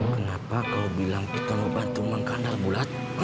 kenapa kau bilang kita mau bantu mang kandar bulat